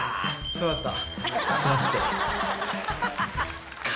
そうだった。